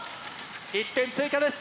１点追加です